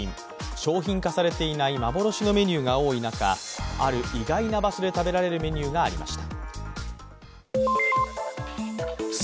商品化されていない幻のメニューが多い中、ある意外な場所で食べられるメニューがありました。